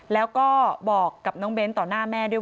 แล้วก็บอกกับน้องเบ้นต่อหน้าแม่ด้วย